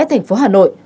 thành phố hà nội